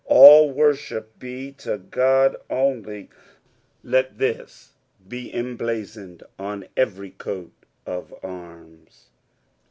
"All worship be to Ood only," let this be emblazoned on every coat of arms.